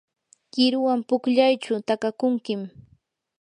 qiruwan pukllaychu takakunkim.